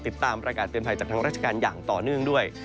ติดตามประกาศเตือนภัยจากทางราชการอย่างต่อเนื่องด้วย